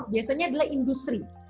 biasanya adalah industri